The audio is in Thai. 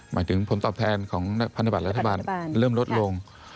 หมายถึงผลตอบแทนของนักพันธบัตรรัฐบาลเริ่มลดลง